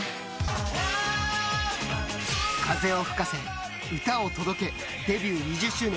風を吹かせ歌を届けデビュー２０周年